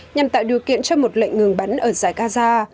nhằm tạo điều kiện cho một lệnh ngừng bắn ở giải gaza